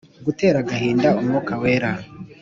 Gutera agahinda umwuka wera